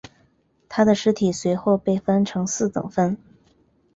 他的尸体随后被分成四等分。